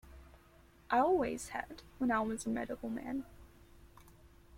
I always had, when I was a medical man.